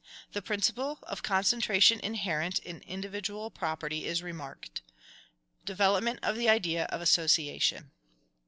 The principle of concentration inherent in individual property is REMARKED. Development of the idea of association.